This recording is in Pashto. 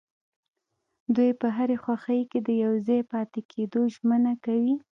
دوی په هرې خوښۍ کې د يوځای پاتې کيدو ژمنه کوي.